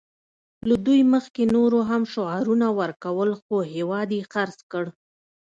له دوی مخکې نورو هم شعارونه ورکول خو هېواد یې خرڅ کړ